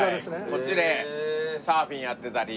こっちでサーフィンやってたり。